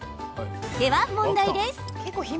では、問題です。